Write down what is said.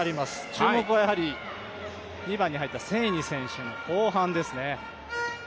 注目はやはり、２番に入ったセイニ選手の後半ですね。